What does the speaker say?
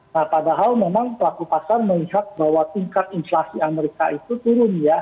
nah padahal memang pelaku pasar melihat bahwa tingkat inflasi amerika itu turun ya